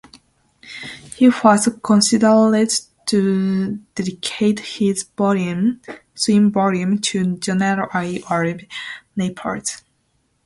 He first considered to dedicate his "slim volume" to Joanna I of Naples.